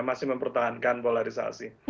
masih mempertahankan polarisasi